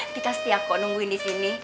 dikasih aku nungguin disini